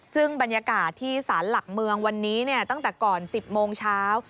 ซึ่งบรรยากาศที่สารหลักเมืองวันนี้ตั้งแต่ก่อน๑๐โมงเช้า